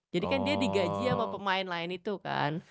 jadi kan dia digaji sama pemain lain itu kan